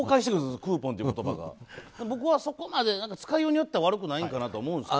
僕はそこまで使いようによっては悪くないかなと思うんですけど。